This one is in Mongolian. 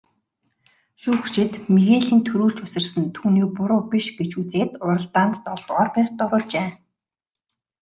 Шүүгчид Мигелийн түрүүлж үсэрсэн нь түүний буруу биш гэж үзээд уралдаанд долдугаарт байрт оруулжээ.